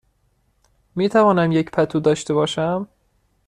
می توانم یک پتو داشته باشم؟